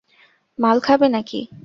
মাল খাবে নাকি?